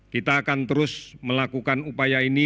kita akan terus melakukan upaya ini